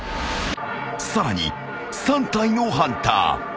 ［さらに３体のハンター］